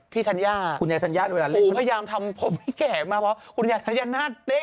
พี่ธัญญาคุณนายธัญญาเวลาเล่น